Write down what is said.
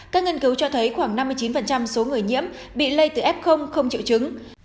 các nghiên cứu cho thấy khoảng năm mươi chín số người nhiễm bị lây từ f không triệu chứng